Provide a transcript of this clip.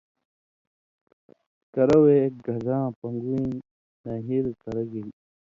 کرؤے اېک گھداں پنگُویں نہِرہۡ کرہ گِلیۡ۔